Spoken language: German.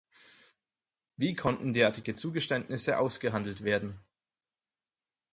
Wie konnten derartige Zugeständnisse ausgehandelt werden?